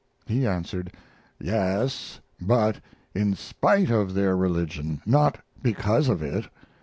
He answered, "Yes, but in spite of their religion, not because of it.